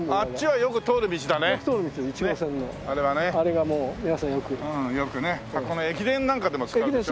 よくね箱根駅伝なんかでも使うでしょ？